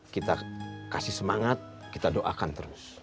kita kasih semangat kita doakan terus